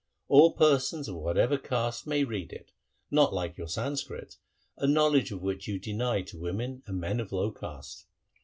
All persons of whatever caste may read it, not like your Sanskrit, a knowledge of which you deny to women and men of low caste.'